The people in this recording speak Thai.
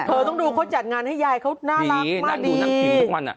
เธอต้องดูเขาจัดงานให้ยายเค้าน่ารักมากดีนั่งดูหนังพิมทุกวันอ่ะ